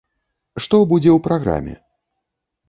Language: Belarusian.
Што будзе ў праграме?